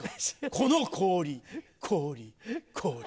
この氷氷氷。